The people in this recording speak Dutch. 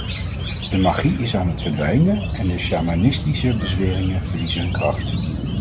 De magie is aan het verdwijnen en de sjamanistische bezweringen verliezen hun kracht.